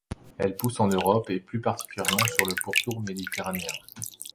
Elle pousse en Europe et plus particulièrement sur le pourtour méditerranéen.